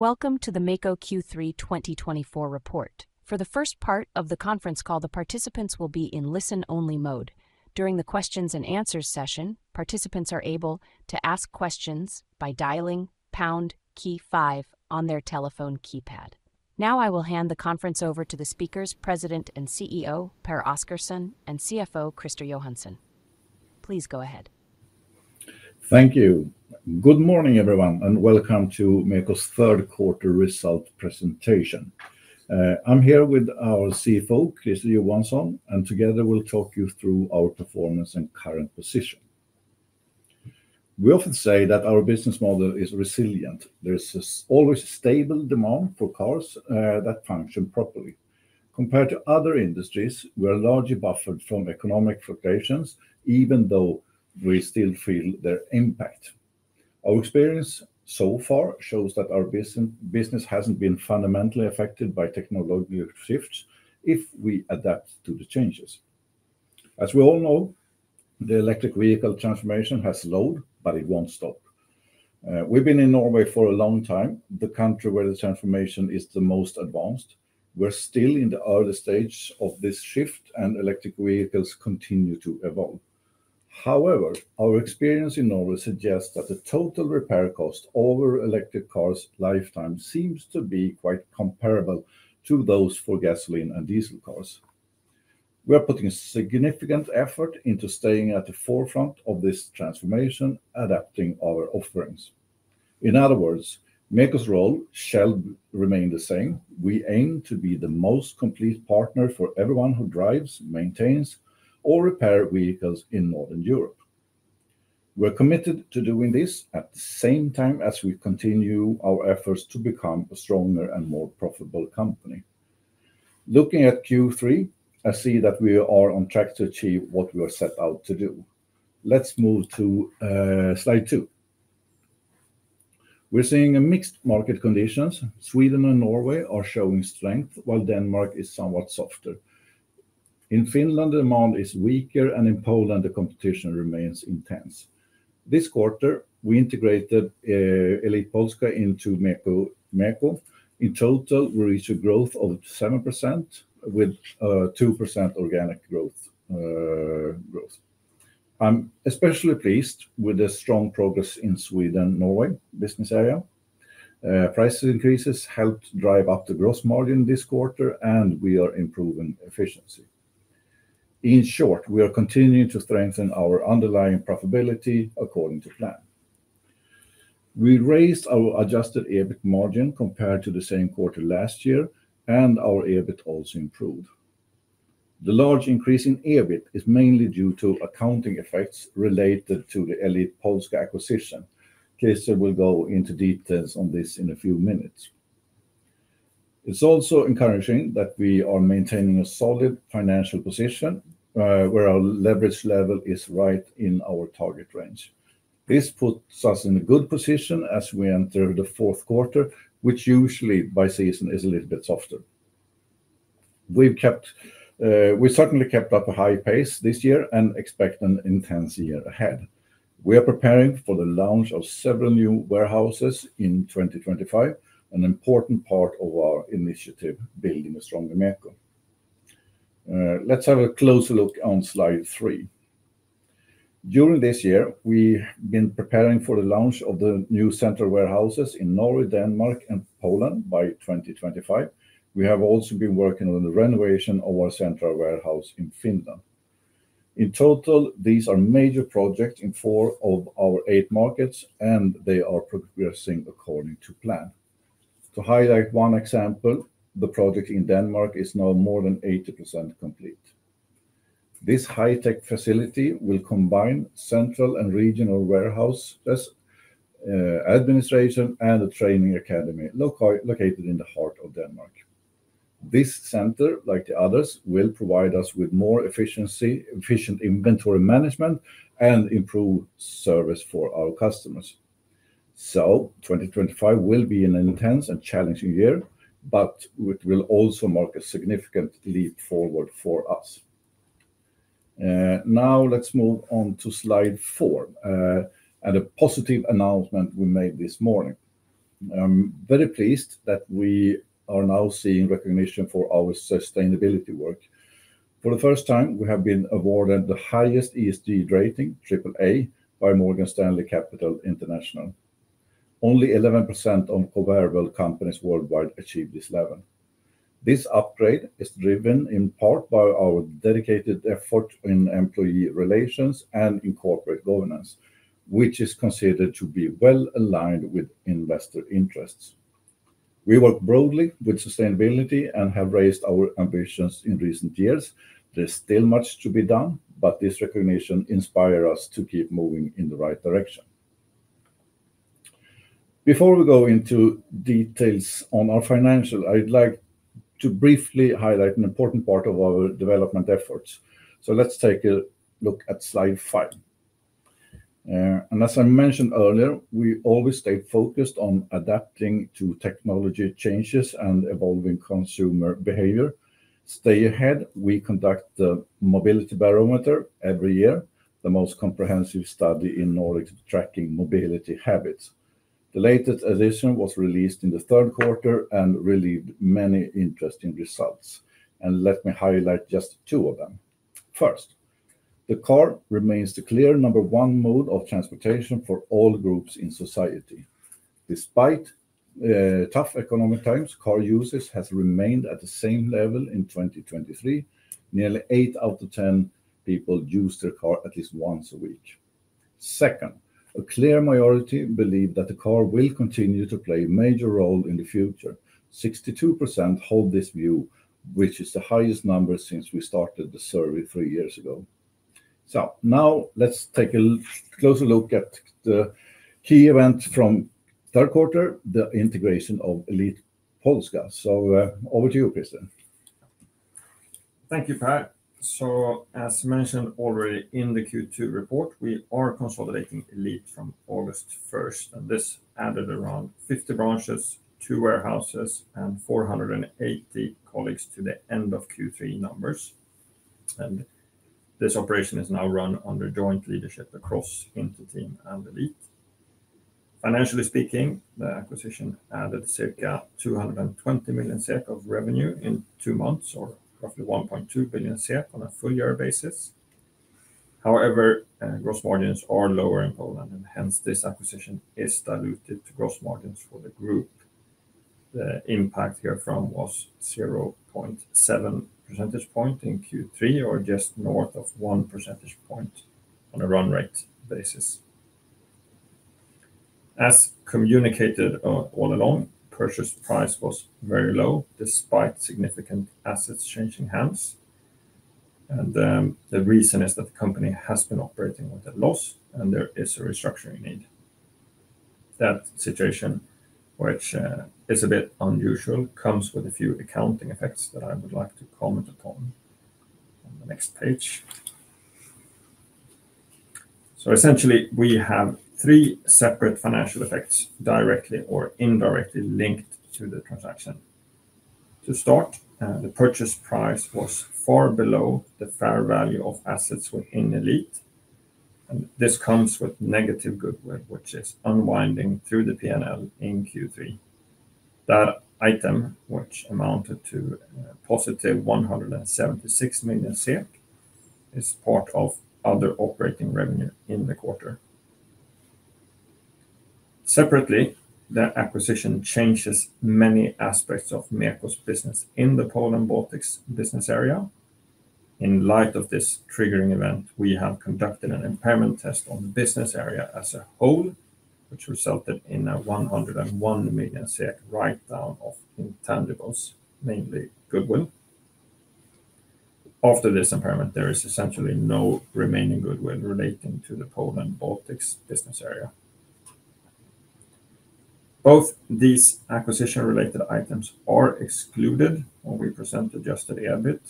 Welcome to the MEKO Q3 2024 report. For the first part of the conference call, the participants will be in listen-only mode. During the Q&A session, participants are able to ask questions by dialing #5 on their telephone keypad. Now I will hand the conference over to the speakers, President and CEO Pehr Oscarson, and CFO Christer Johansson. Please go ahead. Thank you. Good morning, everyone, and welcome to MEKO's third quarter result presentation. I'm here with our CFO, Christer Johansson, and together we'll talk you through our performance and current position. We often say that our business model is resilient. There is always a stable demand for cars that function properly. Compared to other industries, we are largely buffered from economic fluctuations, even though we still feel their impact. Our experience so far shows that our business hasn't been fundamentally affected by technological shifts if we adapt to the changes. As we all know, the electric vehicle transformation has slowed, but it won't stop. We've been in Norway for a long time, the country where the transformation is the most advanced. We're still in the early stage of this shift, and electric vehicles continue to evolve. However, our experience in Norway suggests that the total repair cost over electric cars' lifetime seems to be quite comparable to those for gasoline and diesel cars. We are putting a significant effort into staying at the forefront of this transformation, adapting our offerings. In other words, MEKO's role shall remain the same. We aim to be the most complete partner for everyone who drives, maintains, or repairs vehicles in Northern Europe. We're committed to doing this at the same time as we continue our efforts to become a stronger and more profitable company. Looking at Q3, I see that we are on track to achieve what we were set out to do. Let's move to slide two. We're seeing mixed market conditions. Sweden and Norway are showing strength, while Denmark is somewhat softer. In Finland, the demand is weaker, and in Poland, the competition remains intense. This quarter, we integrated Elit Polska into MEKO. In total, we reached a growth of 7% with 2% organic growth. I'm especially pleased with the strong progress in Sweden-Norway business area. Price increases helped drive up the gross margin this quarter, and we are improving efficiency. In short, we are continuing to strengthen our underlying profitability according to plan. We raised our adjusted EBIT margin compared to the same quarter last year, and our EBIT also improved. The large increase in EBIT is mainly due to accounting effects related to the Elit Polska acquisition. Christer will go into details on this in a few minutes. It's also encouraging that we are maintaining a solid financial position where our leverage level is right in our target range. This puts us in a good position as we enter the fourth quarter, which usually by season is a little bit softer. We've certainly kept up a high pace this year and expect an intense year ahead. We are preparing for the launch of several new warehouses in 2025, an important part of our initiative building a stronger MEKO. Let's have a closer look on slide three. During this year, we've been preparing for the launch of the new central warehouses in Norway, Denmark, and Poland by 2025. We have also been working on the renovation of our central warehouse in Finland. In total, these are major projects in four of our eight markets, and they are progressing according to plan. To highlight one example, the project in Denmark is now more than 80% complete. This high-tech facility will combine central and regional warehouse administration and a training academy located in the heart of Denmark. This center, like the others, will provide us with more efficient inventory management and improved service for our customers. So 2025 will be an intense and challenging year, but it will also mark a significant leap forward for us. Now let's move on to slide four and a positive announcement we made this morning. I'm very pleased that we are now seeing recognition for our sustainability work. For the first time, we have been awarded the highest ESG rating, AAA, by Morgan Stanley Capital International. Only 11% of comparable companies worldwide achieved this level. This upgrade is driven in part by our dedicated effort in employee relations and in corporate governance, which is considered to be well aligned with investor interests. We work broadly with sustainability and have raised our ambitions in recent years. There's still much to be done, but this recognition inspires us to keep moving in the right direction. Before we go into details on our financials, I'd like to briefly highlight an important part of our development efforts, so let's take a look at slide five, and as I mentioned earlier, we always stay focused on adapting to technology changes and evolving consumer behavior. Stay ahead. We conduct the Mobility Barometer every year, the most comprehensive study in order to track mobility habits. The latest edition was released in the third quarter and revealed many interesting results, and let me highlight just two of them. First, the car remains the clear number one mode of transportation for all groups in society. Despite tough economic times, car usage has remained at the same level in 2023. Nearly eight out of 10 people use their car at least once a week. Second, a clear majority believe that the car will continue to play a major role in the future. 62% hold this view, which is the highest number since we started the survey three years ago. So now let's take a closer look at the key events from third quarter, the integration of Elit Polska. So over to you, Christer. Thank you, Pehr. So as mentioned already in the Q2 report, we are consolidating Elit from August 1st, and this added around 50 branches, two warehouses, and 480 colleagues to the end of Q3 numbers. And this operation is now run under joint leadership across Inter-Team and Elit. Financially speaking, the acquisition added circa 220 million SEK of revenue in two months, or roughly 1.2 billion SEK on a full year basis. However, gross margins are lower in Poland, and hence this acquisition is diluted to gross margins for the group. The impact here from was 0.7 percentage points in Q3, or just north of one percentage point on a run rate basis. As communicated all along, purchase price was very low despite significant assets changing hands. And the reason is that the company has been operating at a loss, and there is a restructuring need. That situation, which is a bit unusual, comes with a few accounting effects that I would like to comment upon on the next page. So essentially, we have three separate financial effects directly or indirectly linked to the transaction. To start, the purchase price was far below the fair value of assets within Elit. And this comes with negative goodwill, which is unwinding through the P&L in Q3. That item, which amounted to positive 176 million SEK, is part of other operating revenue in the quarter. Separately, the acquisition changes many aspects of MEKO's business in the Poland Baltics business area. In light of this triggering event, we have conducted an impairment test on the business area as a whole, which resulted in a 101 million SEK write-down of intangibles, mainly goodwill. After this impairment, there is essentially no remaining goodwill relating to the Poland Baltics business area. Both these acquisition-related items are excluded when we present adjusted EBIT.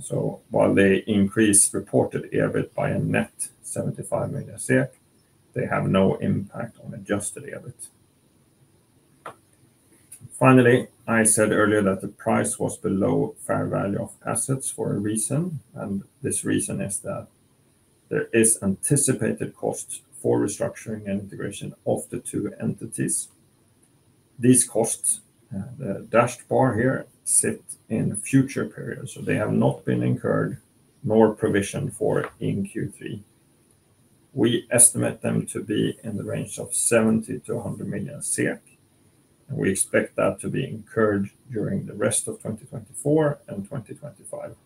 So while they increase reported EBIT by a net 75 million SEK, they have no impact on adjusted EBIT. Finally, I said earlier that the price was below fair value of assets for a reason, and this reason is that there is anticipated cost for restructuring and integration of the two entities. These costs, the dashed bar here, sit in future periods, so they have not been incurred nor provisioned for in Q3. We estimate them to be in the range of 70-100 million SEK, and we expect that to be incurred during the rest of 2024 and 2025.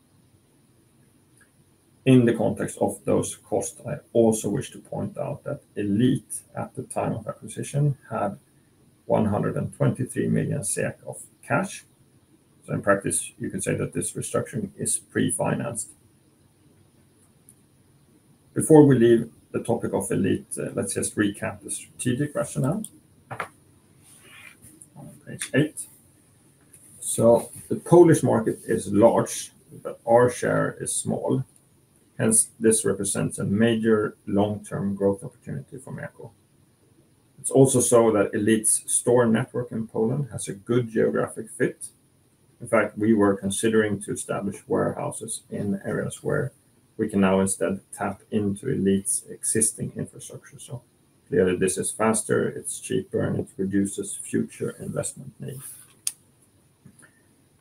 In the context of those costs, I also wish to point out that Elit at the time of acquisition had 123 million SEK of cash. So in practice, you could say that this restructuring is pre-financed. Before we leave the topic of Elit, let's just recap the strategic rationale on page eight, so the Polish market is large, but our share is small. Hence, this represents a major long-term growth opportunity for MEKO. It's also so that Elit's store network in Poland has a good geographic fit. In fact, we were considering to establish warehouses in areas where we can now instead tap into Elit's existing infrastructure, so clearly, this is faster, it's cheaper, and it reduces future investment needs.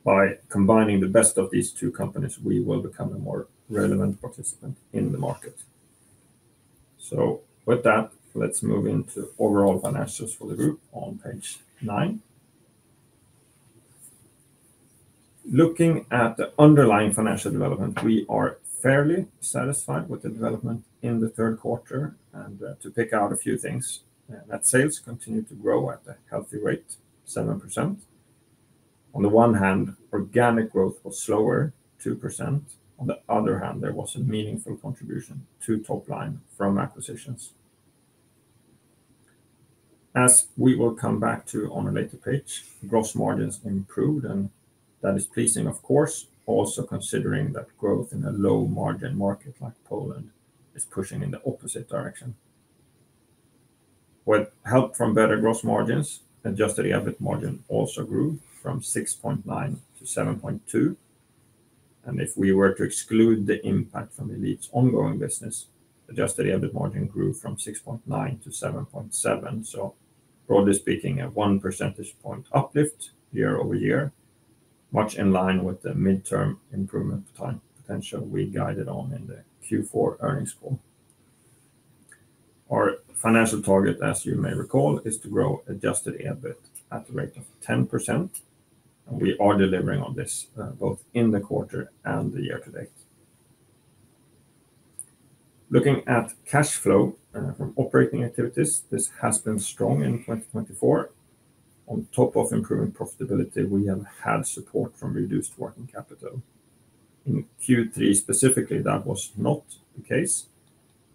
By combining the best of these two companies, we will become a more relevant participant in the market, so with that, let's move into overall financials for the group on page nine. Looking at the underlying financial development, we are fairly satisfied with the development in the third quarter, and to pick out a few things, net sales continue to grow at a healthy rate, 7%. On the one hand, organic growth was slower, 2%. On the other hand, there was a meaningful contribution to top line from acquisitions. As we will come back to on a later page, gross margins improved, and that is pleasing, of course, also considering that growth in a low-margin market like Poland is pushing in the opposite direction. With help from better gross margins, adjusted EBIT margin also grew from 6.9 to 7.2. And if we were to exclude the impact from Elit's ongoing business, adjusted EBIT margin grew from 6.9 to 7.7. So broadly speaking, a one percentage point uplift year over year, much in line with the midterm improvement potential we guided on in the Q4 earnings call. Our financial target, as you may recall, is to grow adjusted EBIT at a rate of 10%. We are delivering on this both in the quarter and the year to date. Looking at cash flow from operating activities, this has been strong in 2024. On top of improving profitability, we have had support from reduced working capital. In Q3 specifically, that was not the case,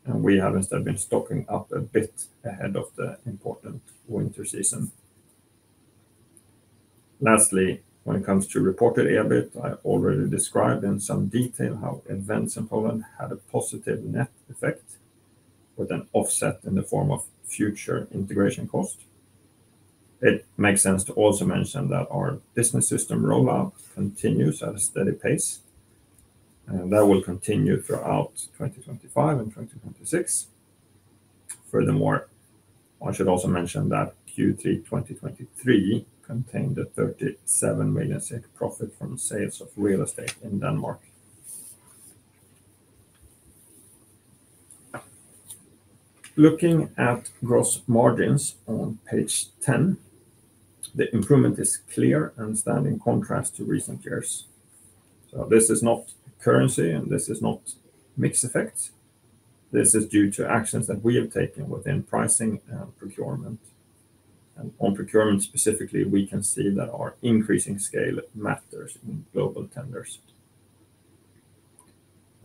and we have instead been stocking up a bit ahead of the important winter season. Lastly, when it comes to reported EBIT, I already described in some detail how events in Poland had a positive net effect with an offset in the form of future integration cost. It makes sense to also mention that our business system rollout continues at a steady pace, and that will continue throughout 2025 and 2026. Furthermore, I should also mention that Q3 2023 contained a 37 million profit from sales of real estate in Denmark. Looking at gross margins on page 10, the improvement is clear and stands in contrast to recent years. So this is not currency, and this is not mixed effects. This is due to actions that we have taken within pricing and procurement. On procurement specifically, we can see that our increasing scale matters in global tenders.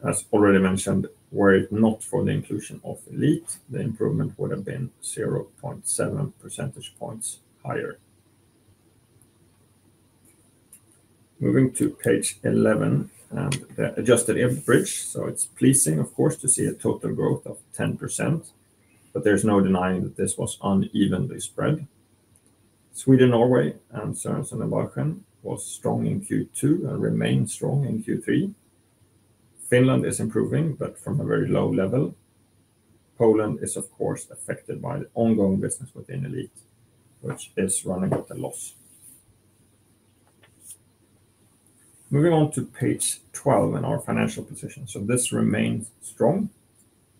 As already mentioned, were it not for the inclusion of Elit, the improvement would have been 0.7 percentage points higher. Moving to page 11 and the adjusted EBIT bridge. So it's pleasing, of course, to see a total growth of 10%, but there's no denying that this was unevenly spread. Sweden, Norway, and Sørensen og Balchen was strong in Q2 and remains strong in Q3. Finland is improving, but from a very low level. Poland is, of course, affected by the ongoing business within Elit, which is running at a loss. Moving on to page 12 in our financial position. So this remains strong.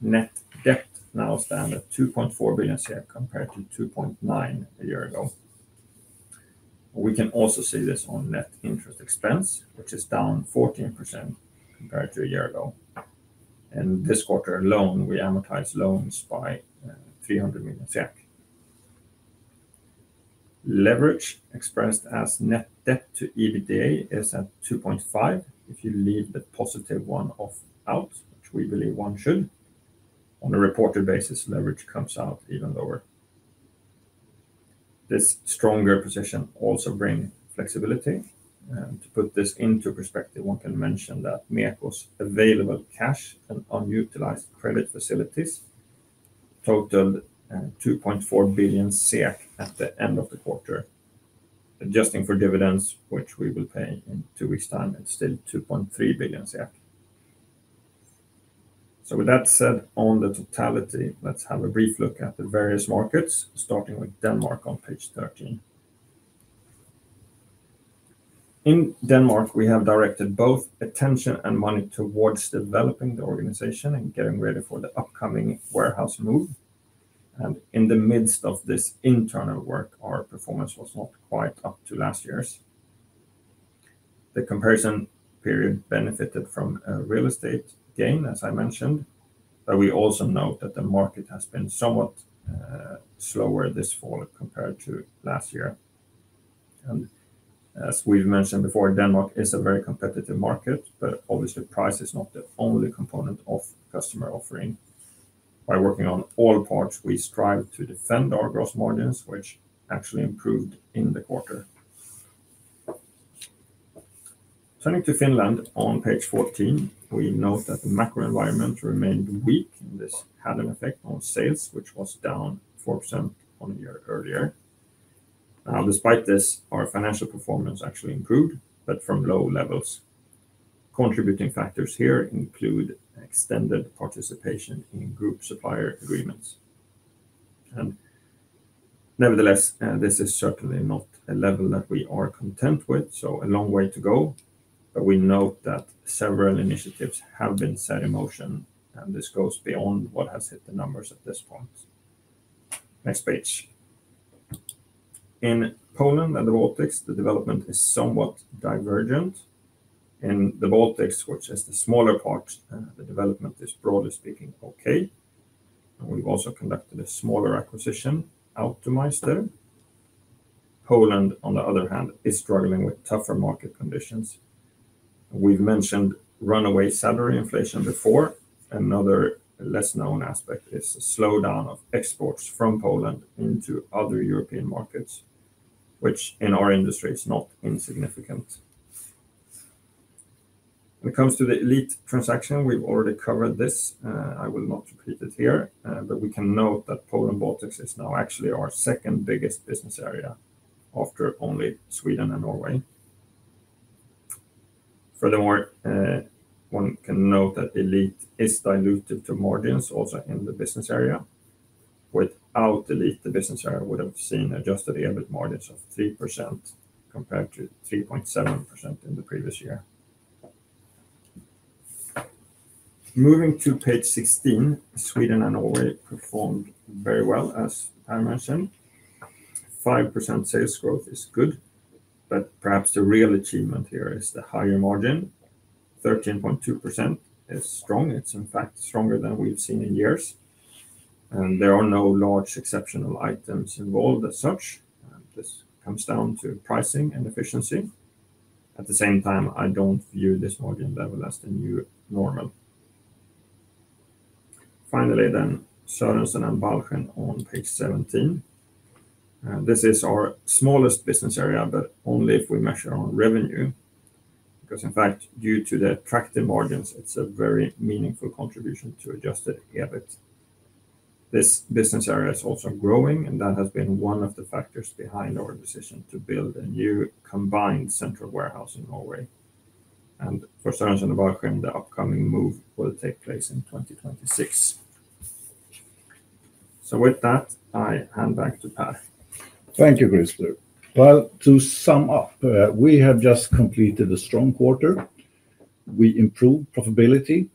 Net debt now stands at 2.4 billion SEK compared to 2.9 a year ago. We can also see this on net interest expense, which is down 14% compared to a year ago. And this quarter alone, we amortized loans by 300 million SEK. Leverage expressed as net debt to EBITDA is at 2.5 if you leave the positive one off out, which we believe one should. On a reported basis, leverage comes out even lower. This stronger position also brings flexibility. And to put this into perspective, one can mention that MEKO's available cash and unutilized credit facilities totaled 2.4 billion SEK at the end of the quarter, adjusting for dividends, which we will pay in two weeks' time, and still 2.3 billion SEK. So with that said, on the totality, let's have a brief look at the various markets, starting with Denmark on page 13. In Denmark, we have directed both attention and money towards developing the organization and getting ready for the upcoming warehouse move. And in the midst of this internal work, our performance was not quite up to last year's. The comparison period benefited from a real estate gain, as I mentioned, but we also note that the market has been somewhat slower this fall compared to last year. And as we've mentioned before, Denmark is a very competitive market, but obviously, price is not the only component of customer offering. By working on all parts, we strive to defend our gross margins, which actually improved in the quarter. Turning to Finland on page 14, we note that the macro environment remained weak, and this had an effect on sales, which was down 4% on a year earlier. Now, despite this, our financial performance actually improved, but from low levels. Contributing factors here include extended participation in group supplier agreements. And nevertheless, this is certainly not a level that we are content with, so a long way to go, but we note that several initiatives have been set in motion, and this goes beyond what has hit the numbers at this point. Next page. In Poland and the Baltics, the development is somewhat divergent. In the Baltics, which is the smaller part, the development is, broadly speaking, okay, and we've also conducted a smaller acquisition Automeister. Poland, on the other hand, is struggling with tougher market conditions. We've mentioned runaway salary inflation before. Another less known aspect is the slowdown of exports from Poland into other European markets, which in our industry is not insignificant. When it comes to the Elit transaction, we've already covered this. I will not repeat it here, but we can note that Poland Baltics is now actually our second biggest business area after only Sweden and Norway. Furthermore, one can note that Elit is diluted to margins also in the business area. Without Elit, the business area would have seen Adjusted EBIT margins of 3% compared to 3.7% in the previous year. Moving to page 16, Sweden and Norway performed very well, as I mentioned. 5% sales growth is good, but perhaps the real achievement here is the higher margin. 13.2% is strong. It's, in fact, stronger than we've seen in years, and there are no large exceptional items involved as such. This comes down to pricing and efficiency. At the same time, I don't view this margin level as the new normal. Finally, then Sørensen og Balchen on page 17. This is our smallest business area, but only if we measure on revenue, because in fact, due to the attractive margins, it's a very meaningful contribution to Adjusted EBIT. This business area is also growing, and that has been one of the factors behind our decision to build a new combined central warehouse in Norway, and for Sørensen og Balchen, the upcoming move will take place in 2026, so with that, I hand back to Per. Thank you, Chris. Well, to sum up, we have just completed a strong quarter. We improved profitability,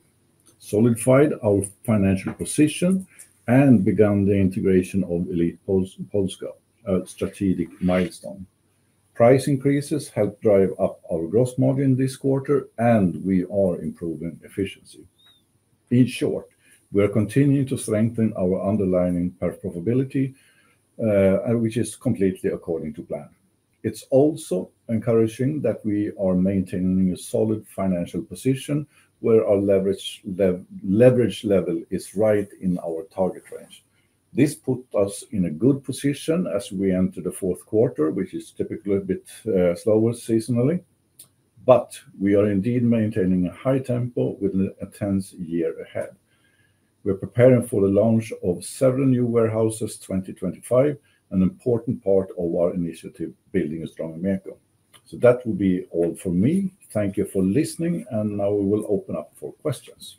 solidified our financial position, and began the integration of Elit Polska as a strategic milestone. Price increases helped drive up our gross margin this quarter, and we are improving efficiency. In short, we are continuing to strengthen our underlying profitability, which is completely according to plan. It's also encouraging that we are maintaining a solid financial position where our leverage level is right in our target range. This puts us in a good position as we enter the fourth quarter, which is typically a bit slower seasonally, but we are indeed maintaining a high tempo with an intense year ahead. We're preparing for the launch of several new warehouses in 2025, an important part of our initiative building a stronger MEKO. So that will be all for me. Thank you for listening, and now we will open up for questions.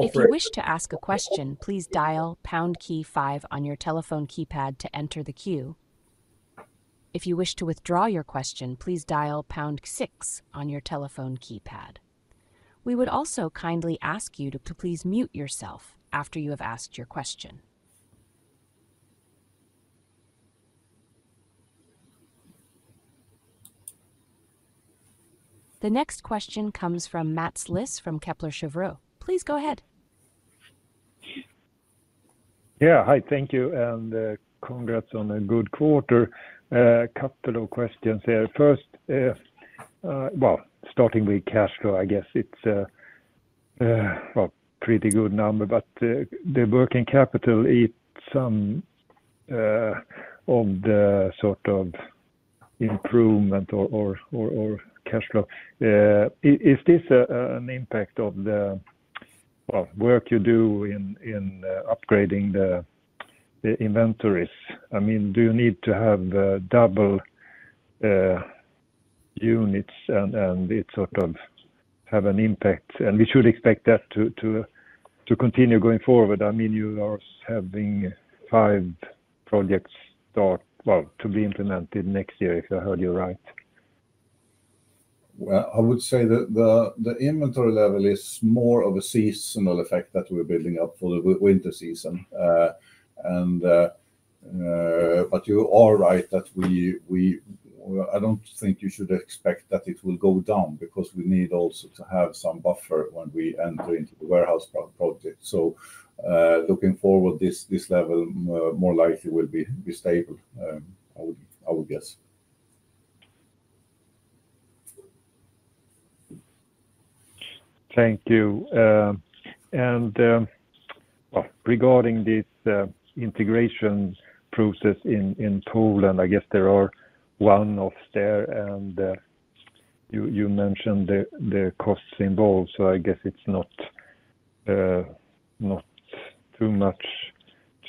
If you wish to ask a question, please dial pound key five on your telephone keypad to enter the queue. If you wish to withdraw your question, please dial pound six on your telephone keypad. We would also kindly ask you to please mute yourself after you have asked your question. The next question comes from Mats Liss from Kepler Cheuvreux.Please go ahead. Yeah, hi, thank you, and congrats on a good quarter. A couple of questions here. First, well, starting with cash flow, I guess it's a pretty good number, but the working capital eats some of the sort of improvement or cash flow. Is this an impact of the work you do in upgrading the inventories? I mean, do you need to have double units and it sort of have an impact? And we should expect that to continue going forward. I mean, you are having five projects start, well, to be implemented next year, if I heard you right. I would say that the inventory level is more of a seasonal effect that we're building up for the winter season. But you are right that we, I don't think you should expect that it will go down because we need also to have some buffer when we enter into the warehouse project. Looking forward, this level more likely will be stable, I would guess. Thank you. Regarding this integration process in Poland, I guess there are one off there, and you mentioned the costs involved, so I guess it's not too much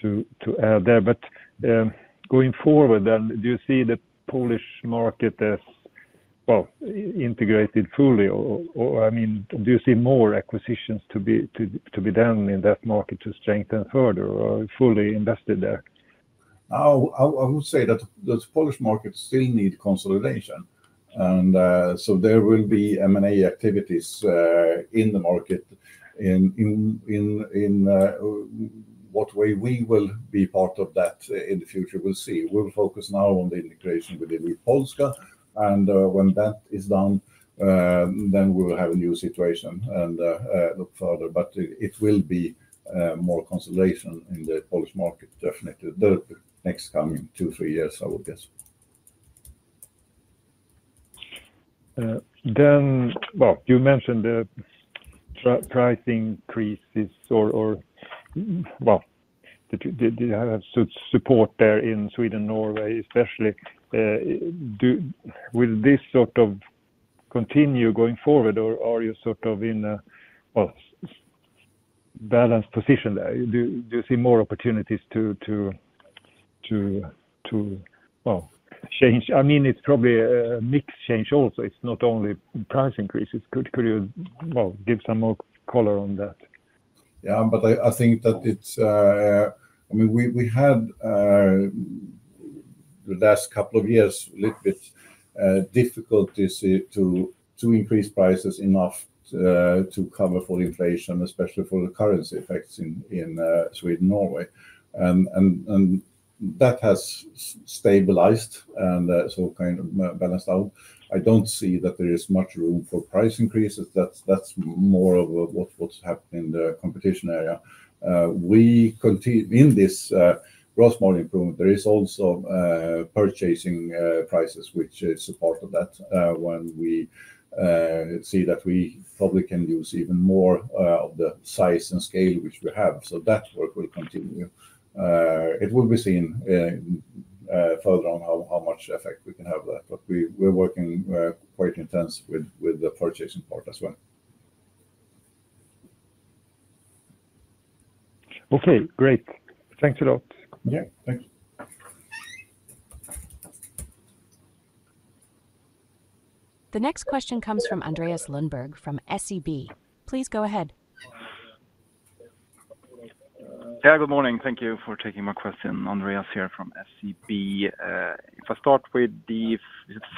to add there. But going forward, do you see the Polish market as, well, integrated fully? Or, I mean, do you see more acquisitions to be done in that market to strengthen further or fully invested there? I would say that the Polish market still needs consolidation and so there will be M&A activities in the market. In what way we will be part of that in the future, we'll see. We'll focus now on the integration with Elit Polska. And when that is done, then we will have a new situation and look further. But it will be more consolidation in the Polish market, definitely, the next coming two, three years, I would guess. Then, well, you mentioned the price increases or, well, the support there in Sweden and Norway, especially. Will this sort of continue going forward, or are you sort of in a balanced position there? Do you see more opportunities to, well, change? I mean, it's probably a mixed change also. It's not only price increases. Could you give some more color on that? Yeah, but I think that it's, I mean, we had the last couple of years a little bit of difficulties to increase prices enough to cover for inflation, especially for the currency effects in Sweden and Norway. And that has stabilized and so kind of balanced out. I don't see that there is much room for price increases. That's more of what's happened in the competition area. In this gross margin improvement, there is also purchasing prices, which is a part of that when we see that we probably can use even more of the size and scale which we have. So that work will continue. It will be seen further on how much effect we can have that. But we're working quite intensively with the purchasing part as well. Okay, great. Thanks a lot. Yeah, thanks. The next question comes from Andreas Lundberg from SEB. Please go ahead. Yeah, good morning. Thank you for taking my question. Andreas here from SEB.If I start with the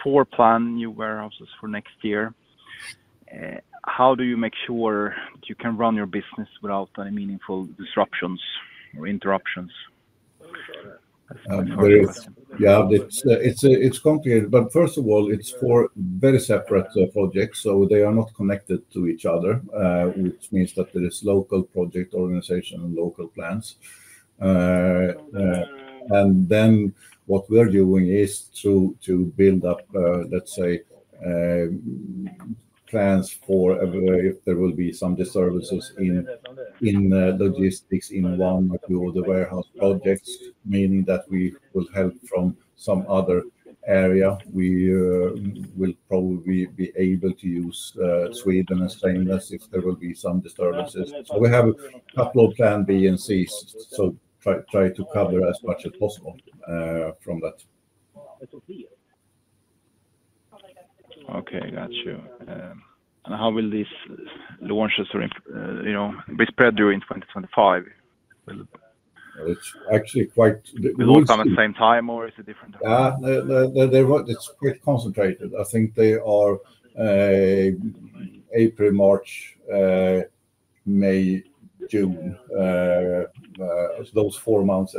four planned new warehouses for next year, how do you make sure that you can run your business without any meaningful disruptions or interruptions? Yeah, it's complicated. But first of all, it's four very separate projects, so they are not connected to each other, which means that there is local project organization and local plans. And then what we're doing is to build up, let's say, plans for if there will be some disturbances in logistics in one or two of the warehouse projects, meaning that we will help from some other area. We will probably be able to use Sweden and stay in this if there will be some disturbances. So we have a couple of plan B and C, so try to cover as much as possible from that. Okay, got you. And how will these launches be spread during 2025? It's actually quite concentrated. Will it come at the same time, or is it different? It's quite concentrated. I think they are April, March, May, June, those four months.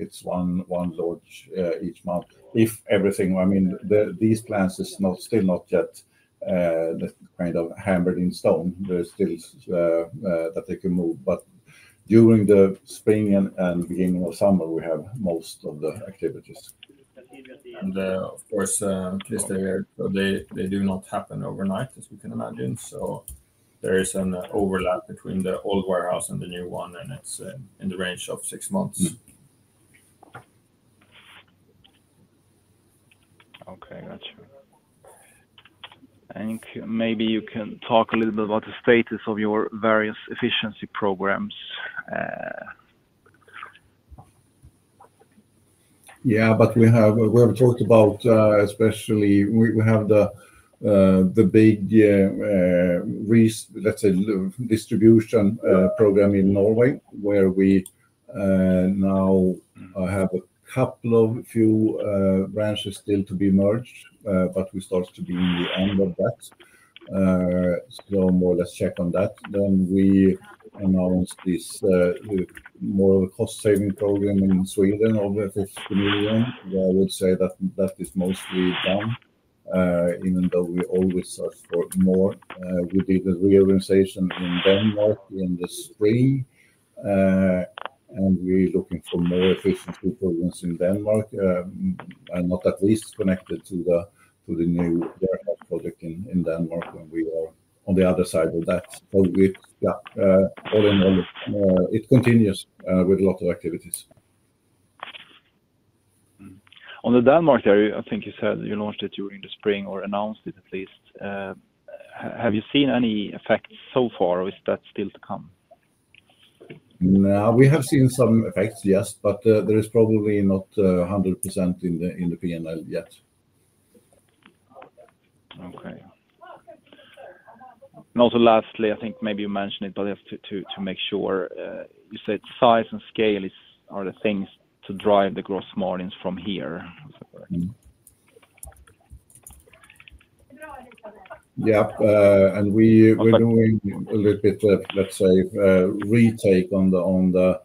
It's one launch each month. If everything, I mean, these plans are still not yet kind of set in stone. There's still that they can move. But during the spring and beginning of summer, we have most of the activities. And of course, they do not happen overnight, as you can imagine. So there is an overlap between the old warehouse and the new one, and it's in the range of six months. Okay, got you. Thank you. Maybe you can talk a little bit about the status of your various efficiency programs. Yeah, but we have talked about especially we have the big, let's say, distribution program in Norway, where we now have a couple of few branches still to be merged, but we start to be on that. So more or less check on that. Then we announced this more cost-saving program in Sweden of 50 million SEK. I would say that that is mostly done, even though we always search for more. We did a reorganization in Denmark in the spring, and we're looking for more efficiency programs in Denmark, and not least connected to the new warehouse project in Denmark when we are on the other side of that. But we've got all in all, it continues with a lot of activities. On the Denmark area, I think you said you launched it during the spring or announced it at least. Have you seen any effects so far, or is that still to come? We have seen some effects, yes, but there is probably not 100% in the P&L yet. Okay. And also lastly, I think maybe you mentioned it, but to make sure, you said size and scale are the things to drive the gross margins from here? Yep. And we're doing a little bit, let's say, retake on the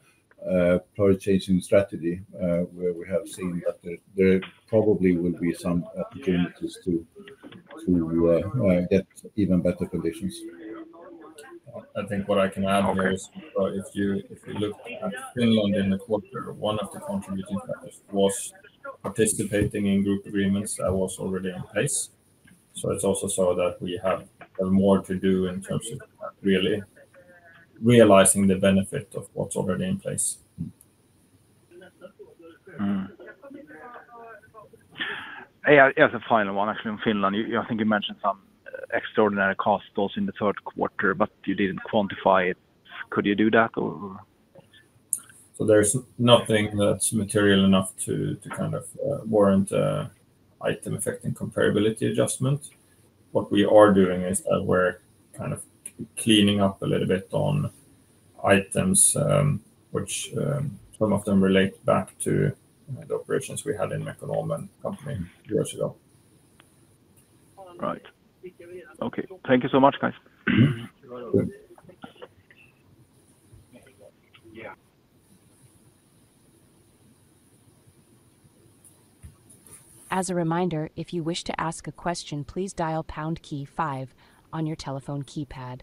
purchasing strategy, where we have seen that there probably will be some opportunities to get even better conditions. I think what I can add here is if you look at Finland in the quarter, one of the contributing factors was participating in group agreements that was already in place. So it's also so that we have more to do in terms of really realizing the benefit of what's already in place. Yeah, there's a final one actually on Finland. I think you mentioned some extraordinary costs in the third quarter, but you didn't quantify it. Could you do that? So there's nothing that's material enough to kind of warrant item effect and comparability adjustment. What we are doing is that we're kind of cleaning up a little bit on items, which some of them relate back to the operations we had in Mekonomen company years ago. Right. Okay. Thank you so much, guys. As a reminder, if you wish to ask a question, please dial pound key five on your telephone keypad.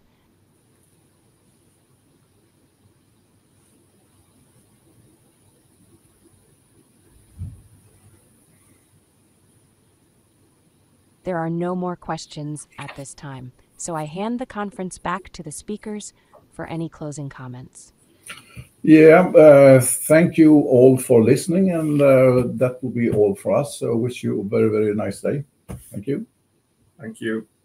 There are no more questions at this time, so I hand the conference back to the speakers for any closing comments. Yeah, thank you all for listening, and that will be all for us. I wish you a very, very nice day. Thank you. Thank you.